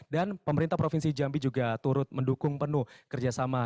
dan pemerintah provinsi jambi juga turut mendukung penuh kerjasama